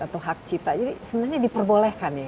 atau hak cipta jadi sebenarnya diperbolehkan ya